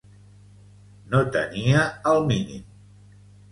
No tenia el mínim.